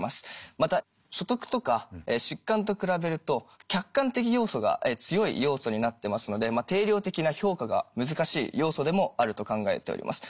また所得とか疾患と比べると客観的要素が強い要素になってますので定量的な評価が難しい要素でもあると考えております。